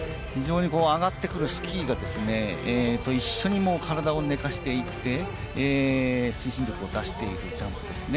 上がってくるスキーが一緒に体を寝かせていって、推進力を出していくジャンプです。